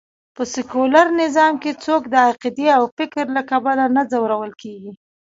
په سکیولر نظام کې څوک د عقېدې او فکر له کبله نه ځورول کېږي